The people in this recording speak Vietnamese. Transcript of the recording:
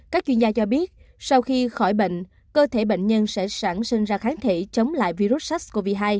các chuyên gia cho biết sau khi khỏi bệnh cơ thể bệnh nhân sẽ sẵn sinh ra kháng thể chống lại virus sars cov hai